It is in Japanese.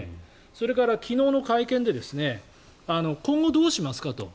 それから昨日の会見で今後どうしますかと。